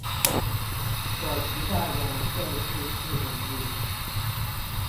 所期待的就是四個字